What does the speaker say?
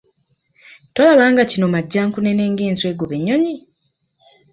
Tolaba nga kino Majjankunene ng'enswa egoba ennyonyi?